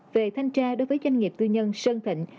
về thanh tra đối với doanh nghiệp tư nhân sơn thịnh